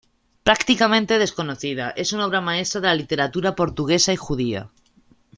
Prácticamente desconocida, es una obra maestra de la literatura portuguesa y judía.